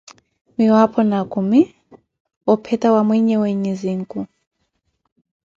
miwaapho, na akumi, opheta wa mweyewe nyizinku.